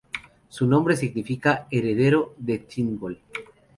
Su nombre significa "Heredero de Thingol".